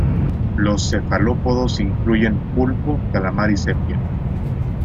Los cefalópodos incluyen pulpo, calamar y sepia.